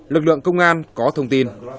lực lượng công an có thông tin